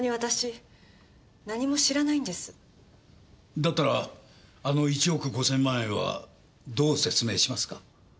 だったらあの１億５０００万円はどう説明しますか？